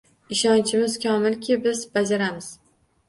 Ishonchimiz komilki, biz bajaramiz